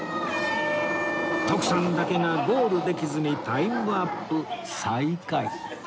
徳さんだけがゴールできずにタイムアップ最下位